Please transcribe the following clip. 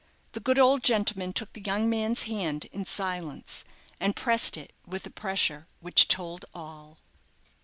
The good old gentleman took the young man's hand in silence, and pressed it with a pressure which told all.